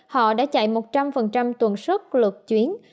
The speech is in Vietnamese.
họ đã chạy một trăm linh tuần xuất lượt chuyến